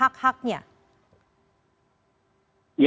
apakah mereka bisa mendapatkan hak haknya